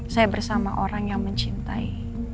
saya bersama orang yang mencintai